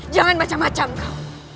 jangan macam macam kau